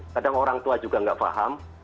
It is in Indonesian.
kadang orang tua juga nggak paham